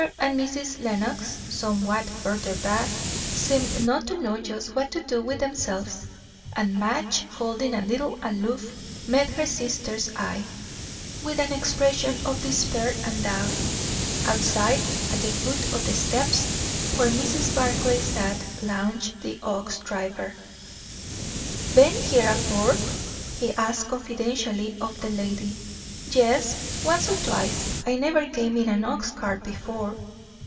and Mrs. Lenox, somewhat further back, seemed not to know just what to do with themselves; and Madge, holding a little aloof, met her sister's eye with an expression of despair and doubt. Outside, at the foot of the steps, where Mrs. Barclay sat, lounged the ox driver. "Ben here afore?" he asked confidentially of the lady. "Yes, once or twice. I never came in an ox cart before."